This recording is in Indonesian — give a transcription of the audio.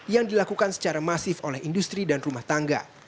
yang dilakukan secara masif oleh industri dan rumah tangga